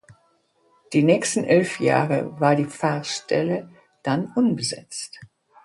Die nächsten elf Jahre war die Pfarrstelle dann unbesetzt.